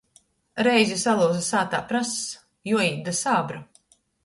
Reizi salyuza sātā prass, juoīt da sābru.